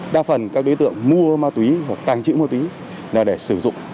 đa phần các đối tượng mua ma túy hoặc tàng trữ ma túy là để sử dụng